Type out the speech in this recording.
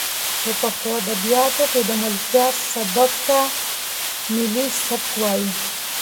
په پښتو ادبیاتو کې د ملکیار سبک ته ملي سبک وایي.